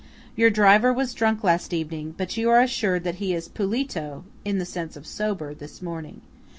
Your driver was drunk last evening, but you are assured that he is "pulito" (in the sense of sober) this morning.